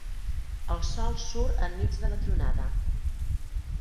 El sol surt enmig de la tronada.